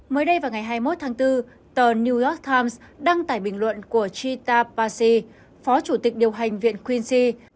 mới đây vào ngày hai mươi một tháng bốn tờ new york times đăng tải bình luận của chita pasi phó chủ tịch điều hành viện quincy